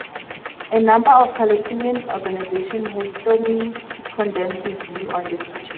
A number of Palestinian organizations have strongly condemned his views on this issue.